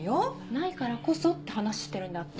ないからこそって話してるんであって。